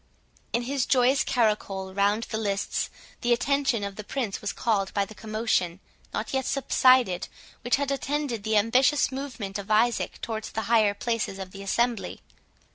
In his joyous caracole round the lists, the attention of the Prince was called by the commotion, not yet subsided, which had attended the ambitious movement of Isaac towards the higher places of the assembly.